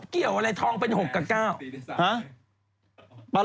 เกี่ยวอะไรทองเป็น๖กับ๙ฮะ